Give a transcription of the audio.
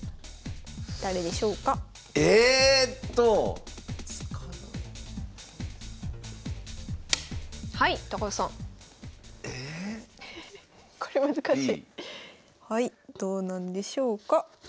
どうなんでしょうか。